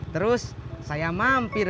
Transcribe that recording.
terus saya mampir